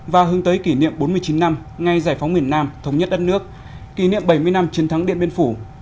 và hướng tới kỷ niệm bốn mươi chín năm ngày giải phóng miền nam thống nhất đất nước kỷ niệm bảy mươi năm chiến thắng điện biên phủ